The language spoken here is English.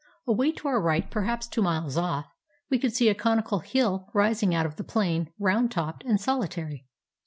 Away to our right, perhaps two miles off, we could see a conical hill rising out of the plain, round topped and solitary.